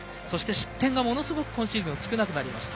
失点がものすごく今シーズン少なくなりました。